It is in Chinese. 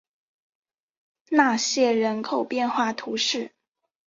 纳谢人口变化图示